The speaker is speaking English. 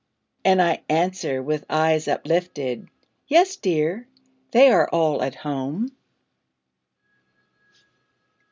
And I answer, with eyes uplifted, "Yes, dear! they are all at home."